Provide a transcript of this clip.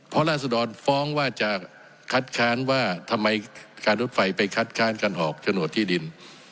เพราะราศดรฟ้องว่าจะคัดค้านว่าทำไมการรถไฟไปคัดค้านการออกโฉนดที่ดิน